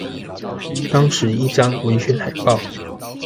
當時一張文宣海報